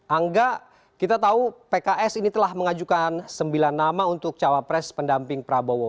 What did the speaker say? angga kita tahu pks ini telah mengajukan sembilan nama untuk cawapres pendamping prabowo